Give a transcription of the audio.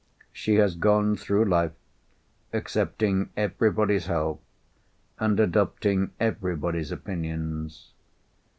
She has gone through life, accepting everybody's help, and adopting everybody's opinions.